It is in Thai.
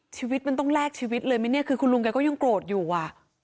ชีวิตมันต้องแลกชีวิตเลยไหมเนี่ยคือคุณลุงแกก็ยังโกรธอยู่อ่ะ